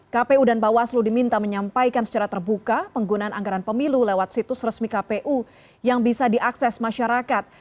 kpu dan bawaslu diminta menyampaikan secara terbuka penggunaan anggaran pemilu lewat situs resmi kpu yang bisa diakses masyarakat